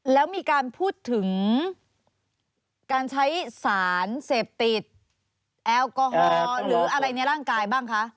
แล้วมีการพูดถึงการใช้สารเสพติดแอลกอฮอล์หรืออะไรในร่างกายบ้างคะ